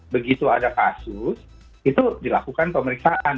begitu ada kasus itu dilakukan pemeriksaan